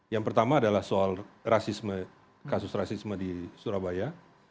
yang pertama adalah soal kasus rasisme di surabaya